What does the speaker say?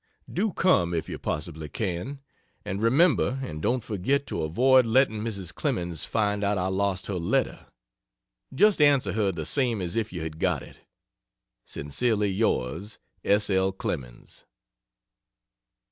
Do come, if you possibly can! and remember and don't forget to avoid letting Mrs. Clemens find out I lost her letter. Just answer her the same as if you had got it. Sincerely yours S. L. CLEMENS.